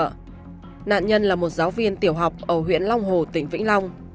công viên tiểu học ở huyện long hồ tỉnh vĩnh long